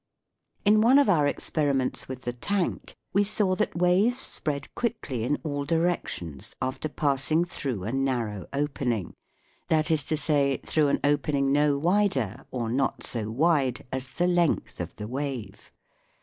In one of our experiments with the tank we saw that waves spread quickly in all directions after passing through a narrow opening that is to say, through an opening no wider or not so wide as the length of the wave.